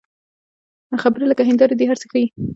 خبرې لکه هنداره دي، هر څه ښيي